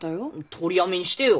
取りやめにしてよ。